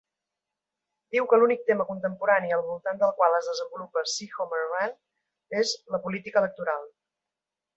Diu que l'únic tema contemporani al voltant del qual es desenvolupa "See Homer Run" és la "política electoral".